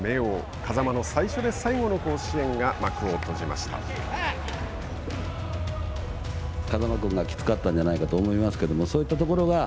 風間の最初で最後の甲子園が幕を閉じました。